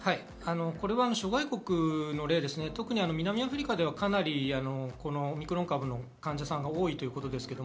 諸外国の例、特に南アフリカではかなりオミクロン株の患者さんが多いということです。